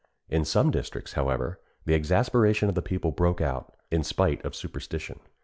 In some districts, however, the exasperation of the people broke out, in spite of superstition.